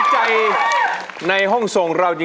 หัวใจสุดท้าย